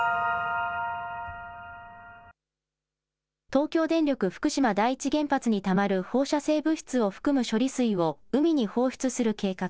東京電力福島第一原発にたまる放射性物質を含む処理水を海に放出する計画。